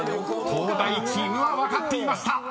［東大チームは分かっていました］